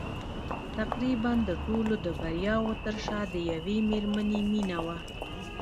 تقريباً د ټولو د برياوو تر شا د يوې مېرمنې مينه وه.